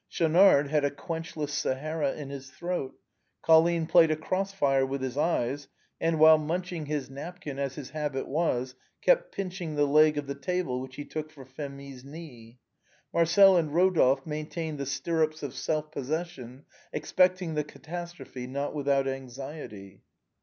Schaunard had a quenchless Sahara in his throat. Colline played a cross fire with his eyes, and while munching his napkin, as his habit was, kept pinching the leg of the table, which he took for Phémie's knee. Marcel and Rodolphe maintained the stirrups of self possession, expecting the catastrophe, not without anxiety.